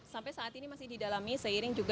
sampai saat ini masih didalami seiring juga